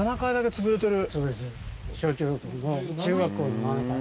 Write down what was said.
潰れてる。